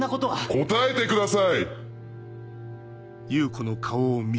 答えてください！